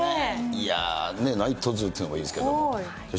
いやー、ねー、ナイトズーというのもいいですけど。